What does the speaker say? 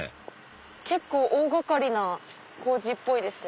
結構大掛かりな工事っぽいですよ